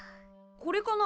これかな？